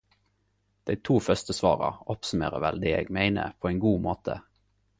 Dei to første svara oppsummerer vel det eg meiner på ein god måte.